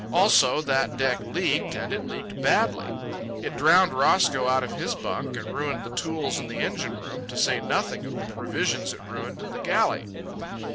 Also, that deck leaked, and it leaked badly. It drowned Roscoe out of his bunk and ruined the tools in the engine room, to say nothing of the provisions it ruined in the galley.